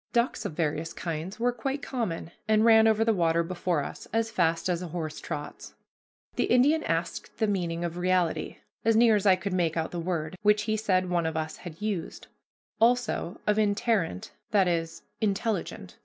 Ducks of various kinds were quite common, and ran over the water before us as fast as a horse trots. The Indian asked the meaning of reality, as near as I could make out the word, which he said one of us had used; also of interrent, that is, intelligent.